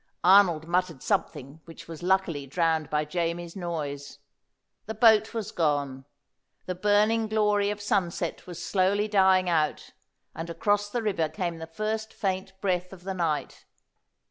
Arnold muttered something which was luckily drowned by Jamie's noise. The boat was gone; the burning glory of sunset was slowly dying out, and across the river came the first faint breath of the night.